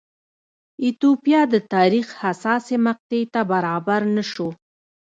ایتوپیا د تاریخ حساسې مقطعې ته برابر نه شو.